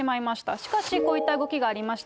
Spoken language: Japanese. しかし、こういった動きがありました。